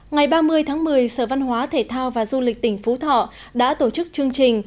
ngày ba mươi tháng một mươi sở văn hóa thể thao và du lịch tỉnh phú thọ đã tổ chức chương trình